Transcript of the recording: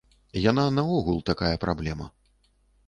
Яна наогул такая праблема.